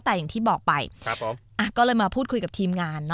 แต่อย่างที่บอกไปก็เลยมาพูดคุยกับทีมงาน